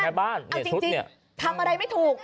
เอาจริงทำอะไรไม่ถูก